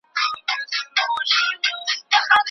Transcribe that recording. دا د ازل خوښه وه دنیا ته چي راغلی یم